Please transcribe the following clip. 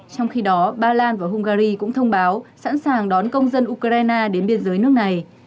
trong khi đó ba lan và hungary cũng thông báo sẵn sàng đón công dân ukraine đến biên giới nước này